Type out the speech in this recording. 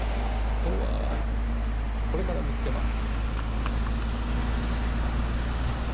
それはこれから見つけます。